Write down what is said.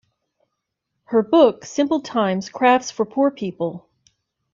Her book, Simple Times: Crafts for Poor People!